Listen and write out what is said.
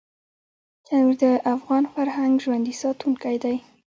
تنور د افغان فرهنګ ژوندي ساتونکی دی